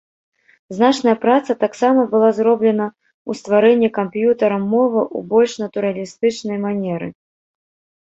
Значная праца таксама была зроблена ў стварэнні камп'ютарам мовы ў больш натуралістычнай манеры.